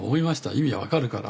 意味は分かるから。